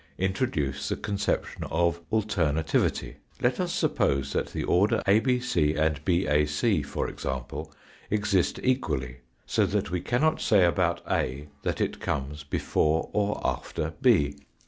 Introduce the conception of alternativity let us suppose that the order abc, and bac, for example, exist equally, so that we cannot say about a that it comes before or after b.